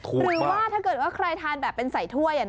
หรือว่าถ้าเกิดว่าใครทานแบบเป็นใส่ถ้วย